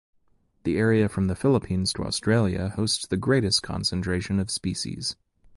The area from the Philippines to Australia hosts the greatest concentration of species.